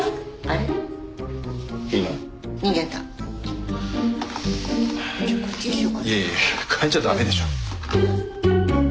いやいや変えちゃ駄目でしょ。